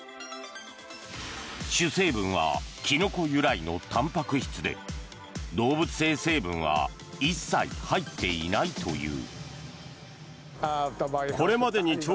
主成分はキノコ由来のたんぱく質で動物性成分は一切入っていないという。